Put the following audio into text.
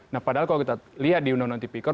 nah padahal kalau kita lihat di undang undang tipikor